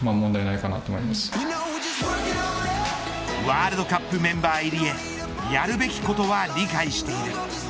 ワールドカップメンバー入りへやるべきことは理解している。